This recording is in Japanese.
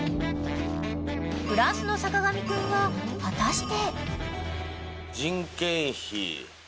［フランスの坂上くんは果たして？］